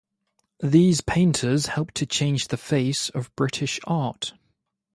These painters helped to change the face of British art.